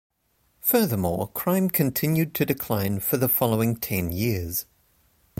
Furthermore, crime continued to decline for the following ten years.